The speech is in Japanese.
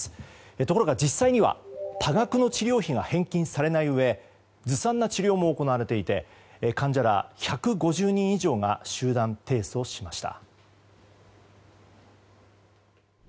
ところが実際には多額の治療費が返金されないうえずさんな治療も行われていて患者ら１５０人以上が集団提訴しました。